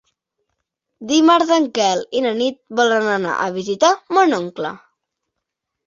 Dimarts en Quel i na Nit volen anar a visitar mon oncle.